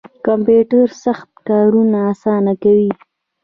کمپیوټر سخت کارونه اسانه کوي